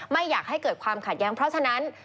ไม่อยากให้เกิดความขัดแย้งเพราะฉะนั้น